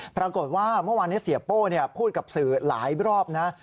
ปรากฏว่าเมื่อวานนี้เสียโป้พูดกับสื่อหลายรอบนะ